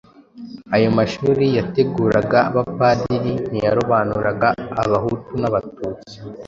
Ayo mashuri yateguraga abapadiri ntiyarobanuraga Abahutu n'Abatutsi